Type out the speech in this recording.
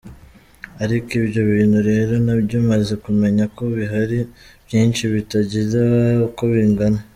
Ariko ibyo bintu rero nabyo maze kumenya ko bihari, byinshi bitagira uko bingana.